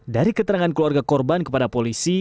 dari keterangan keluarga korban kepada polisi